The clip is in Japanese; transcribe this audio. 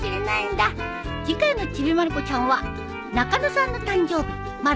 次回の『ちびまる子ちゃん』は。